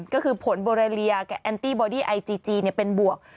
ก็คือผลโบราเลียกับแอนตี้บอดี้ไอจีจีเป็นบวก